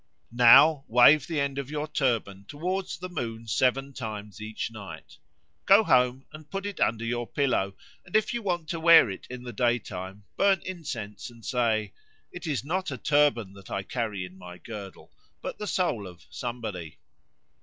Now wave the end of your turban towards the moon seven times each night. Go home and put it under your pillow, and if you want to wear it in the daytime, burn incense and say, "It is not a turban that I carry in my girdle, but the soul of Somebody."